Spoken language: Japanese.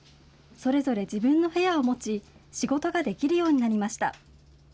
それぞれ自分の部屋を持ち仕事ができるようになりました。